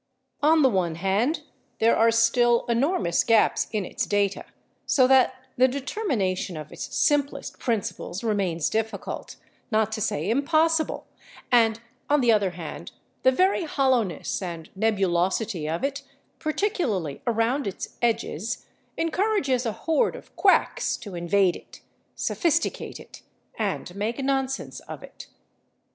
On the one hand, there are still enormous gaps in its data, so that the determination of its simplest principles remains difficult, not to say impossible; and, on the other hand, the very hollowness and nebulosity of it, particularly around its edges, encourages a horde of quacks to invade it, sophisticate it and make nonsense of it.